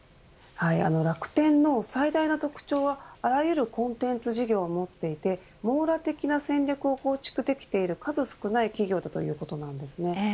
楽天の最大の特徴はあらゆるコンテンツ事業を持っていて網羅的な戦略を構築できている数少ない企業だということです。